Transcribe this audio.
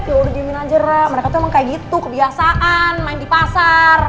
ya udah jamin aja rara mereka tuh emang kayak gitu kebiasaan main di pasar